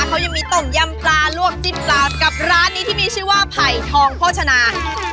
เขายังมีต้มยำปลาลวกจิ้มปลากับร้านนี้ที่มีชื่อว่าไผ่ทองโภชนา